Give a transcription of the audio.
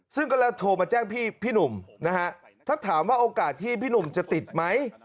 ซึ่งก็แล้วโทรมาแจ้งพี่หนุ่มนะฮะถ้าถามว่าโอกาสที่พี่หนุ่มจะติดไหม